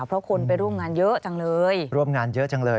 เพราะคนไปร่วมงานเยอะจังเลย